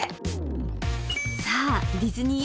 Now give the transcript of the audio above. さあディズニー